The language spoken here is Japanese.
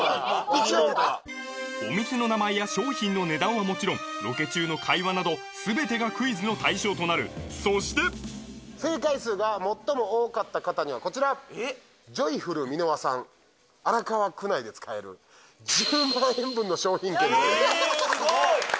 一応お店の名前や商品の値段はもちろんロケ中の会話など全てがクイズの対象となるそして正解数が最も多かった方にはこちらジョイフル三の輪さん荒川区内で使える１０万円分の商品券えすごい！